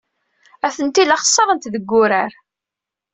Atenti la xeṣṣrent deg wurar.